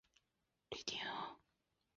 海伦娜区域机场为城市提供服务。